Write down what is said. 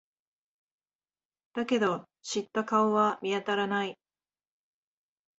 だけど、知った顔は見当たらない。